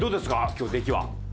今日出来は。